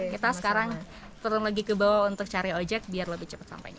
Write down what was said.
kita sekarang turun lagi ke bawah untuk cari ojek biar lebih cepat sampainya